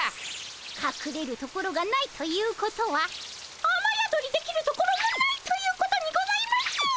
かくれるところがないということはあまやどりできるところもないということにございます！